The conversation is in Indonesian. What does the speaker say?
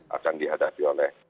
akan dihadapi oleh